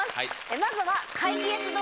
まずは。